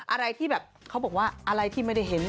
อะไรที่แบบเขาบอกว่าอะไรที่ไม่ได้เห็น